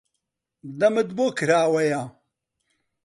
دەمت بۆ کراوەیە؟